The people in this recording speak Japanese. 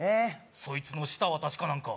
そいつの舌は確かなんか？